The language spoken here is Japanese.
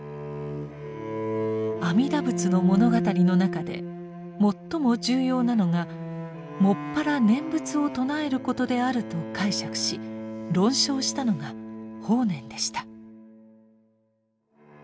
「阿弥陀仏の物語」の中で最も重要なのが専ら念仏を称えることであると解釈し論証したのが法然でした。